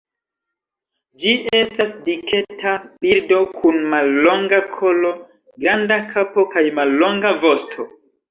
Ĝi estas diketa birdo, kun mallonga kolo, granda kapo kaj mallonga vosto.